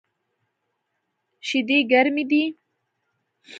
شیدې ګرمی دی